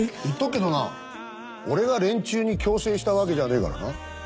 言っとくけどな俺が連中に強制したわけじゃねえからな？